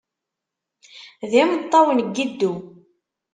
D imeṭṭawen n yiddew.